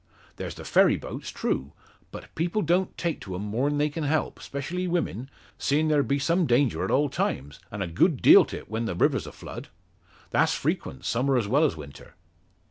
There's the ferry boats, true; but people don't take to 'em more'n they can help; 'specially women seein' there be some danger at all times, and a good deal o't when the river's a flood. That's frequent, summer well as winter."